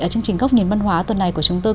chương trình góc nhìn văn hóa tuần này của chúng tôi